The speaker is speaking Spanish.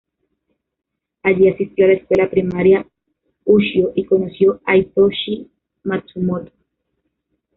Allí, asistió a la Escuela Primaria Ushio y conoció a Hitoshi Matsumoto.